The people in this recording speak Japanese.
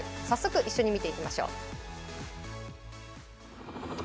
早速一緒に見ていきましょう。